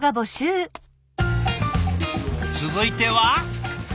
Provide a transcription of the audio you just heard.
続いては。